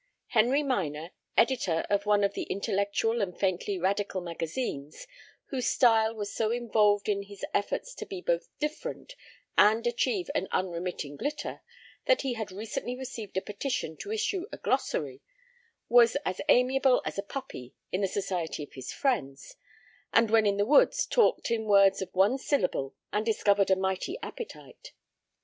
Henry Minor, editor of one of the intellectual and faintly radical magazines, whose style was so involved in his efforts to be both "different" and achieve an unremitting glitter, that he had recently received a petition to issue a glossary, was as amiable as a puppy in the society of his friends and when in the woods talked in words of one syllable and discovered a mighty appetite.